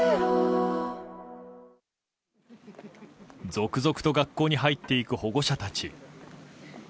続々と学校に入っていく保護者たち。